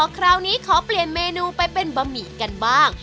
คราวนี้ขอเปลี่ยนเมนูไปเป็นบะหมี่กันบ้าง